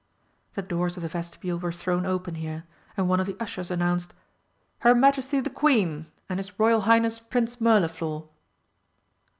The doors of the Vestibule were thrown open here and one of the ushers announced: "Her Majesty the Queen and His Royal Highness Prince Mirliflor."